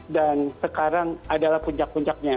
dan sekarang adalah puncak puncaknya